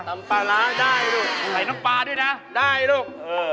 ปลาร้าได้ลูกไข่น้ำปลาด้วยนะได้ลูกเออ